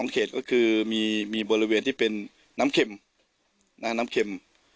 ๒เขตก็คือมีบริเวณที่เป็นน้ำเข็ม